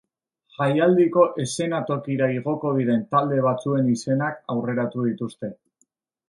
Jaialdiko eszenatokira igoko diren talde batzuen izenak aurreratu dituzte.